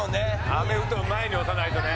アメフトは前に押さないとね。